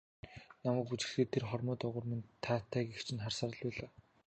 Намайг бүжиглэхэд тэр хормой доогуур минь таатай гэгч нь харсаар л байлаа.